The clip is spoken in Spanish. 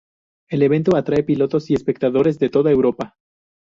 El evento atrae pilotos y espectadores de toda Europa.